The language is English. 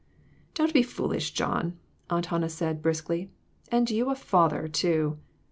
"Don't be foolish, John," Aunt Hannah said, briskly; "and you a father, too!"